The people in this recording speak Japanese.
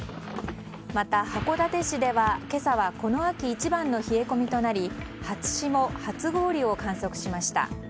また、函館市では今朝はこの秋一番の冷え込みとなり初霜、初氷を観測しました。